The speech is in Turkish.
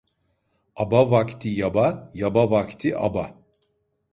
Aba vakti yaba, yaba vakti aba.